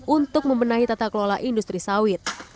untuk membenahi tata kelola industri sawit